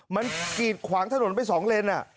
มันกีดขวางถนนไป๒เลน